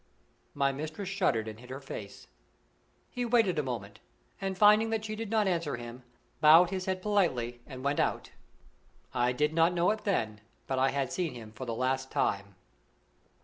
My mistress shuddered and hid her face. He waited a moment, and, finding that she did not answer him, bowed his head politely and went out. I did not know it then, but I had seen him for the last time.